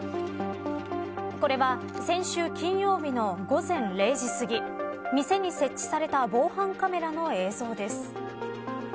これは先週金曜日の午前０時すぎ店に設置された防犯カメラの映像です。